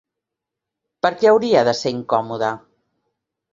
Per què hauria de ser incòmode?